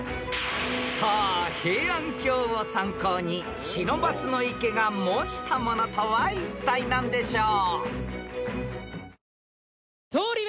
［さあ平安京を参考に不忍池が模したものとはいったい何でしょう？］